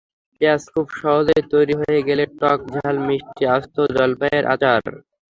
ব্যাস খুব সহজেই তৈরি হয়ে গেল টক-ঝাল-মিষ্টি আস্ত জলপাইয়ের আচার।